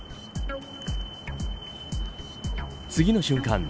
次の瞬間